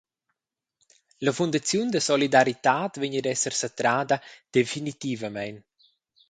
La fundaziun da solidaritad vegn ad esser satrada definitivamein.